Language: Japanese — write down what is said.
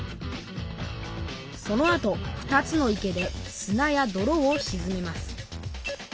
そのあと２つの池ですなやどろをしずめます。